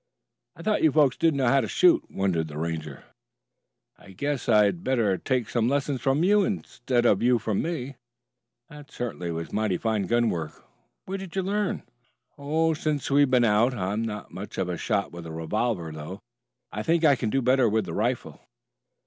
"I thought you folks didn't know how to shoot," wondered the Ranger. "I guess I'd better take some lessons from you instead of you from me. That certainly was mighty fine gun work. Where did you learn?" "Since we have been out. I am not much of a shot with the revolver, though. I think I can do better with the rifle."